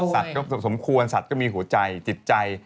ศัตริย์ก็สมควรศัตริย์ก็มีหัวใจจิตใจ